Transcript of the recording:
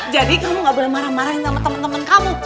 jadi kamu gak boleh marah marahin sama temen temen kamu